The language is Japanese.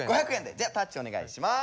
じゃあタッチお願いします。